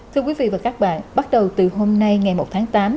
thưa quý vị và các bạn bắt đầu từ hôm nay ngày một tháng tám